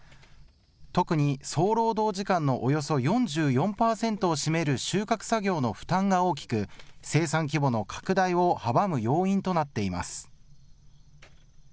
特に総労働時間のおよそ４４％を占める収穫作業の負担が大きく生産規模の拡大を阻む要因となっています。